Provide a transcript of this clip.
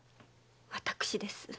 私です。